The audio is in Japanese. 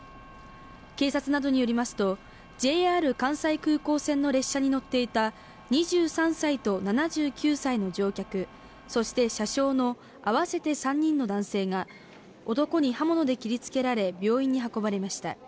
警察などによりますとＪＲ関西空港線の列車に乗っていた２３歳と７９歳の乗客そして車掌の合わせて３人の男性が男に刃物で切りつけられ病院に運ばれました。